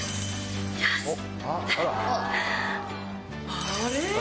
あれ？